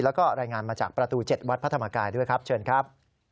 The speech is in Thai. แล้วก็รายงานมาจากประตู๗วัดพระธรรมกายด้วยครับเชิญครับ